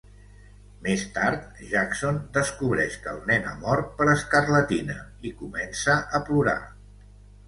Més tard, Jackson descobreix que el nen ha mort per escarlatina i comença a plorar.